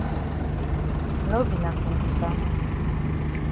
No be na kongosa.